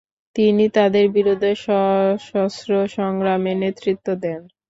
তিনি তাদের বিরুদ্ধে সশস্ত্র সংগ্রামে নেতৃত্ব দেন।